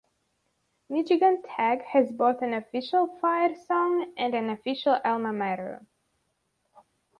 Michigan Tech has both an official fight song and an official Alma Mater.